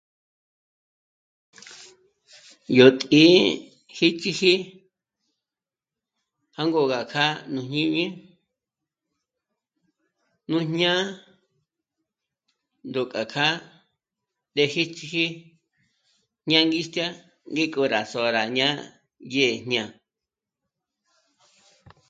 Yó tǐ'i jích'iji jângo gá kja nú jñíñi nú jñá'a ndó k'a kjâ'a ndé jích'i ñângistjya ngík'o rá sô'o rá jñá'a dyé jñá'a